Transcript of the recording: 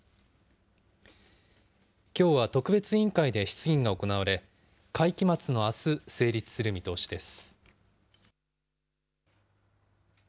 きょうは特別委員会で質疑が行われ、会期末のあす、成立する見通しです。